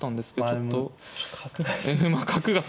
ちょっと角が。